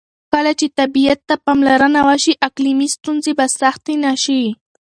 کله چې طبیعت ته پاملرنه وشي، اقلیمي ستونزې به سختې نه شي.